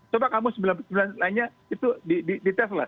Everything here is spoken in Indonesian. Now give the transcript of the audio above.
coba kamu sembilan puluh sembilan lainnya itu di tes lah